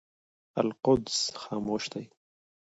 القدس خاموشه دی.